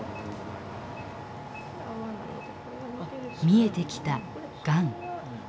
見えてきたがん。